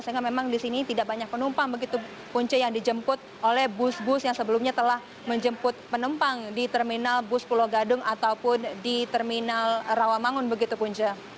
sehingga memang di sini tidak banyak penumpang begitu punce yang dijemput oleh bus bus yang sebelumnya telah menjemput penumpang di terminal bus pulau gadung ataupun di terminal rawamangun begitu punca